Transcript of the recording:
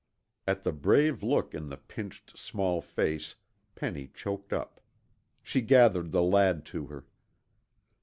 At the brave look in the pinched, small face, Penny choked up. She gathered the lad to her.